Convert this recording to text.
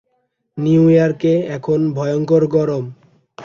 New ইয়র্কে এখন ভয়ঙ্কর গরম।